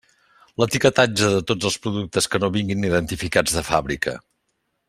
L'etiquetatge de tots els productes que no vinguin identificats de fàbrica.